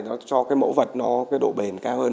nó cho mẫu vật độ bền cao hơn